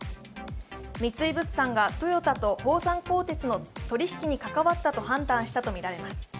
三井物産がトヨタと宝山鋼鉄の取り引きに関わったと判断したとみられます。